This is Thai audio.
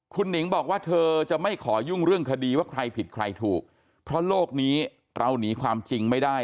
คุณหนิงบอกว่าเธอจะไม่ขอยุ่งเรื่องคดีว่าใครผิดใครถูกเพราะโลกนี้เราหนีความจริงไม่ได้